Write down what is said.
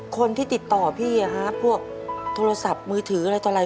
คนที่ติดต่อพี่พวกโทรศัพท์มือถืออะไรต่ออะไร